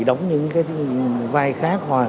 đóng những cái vai khác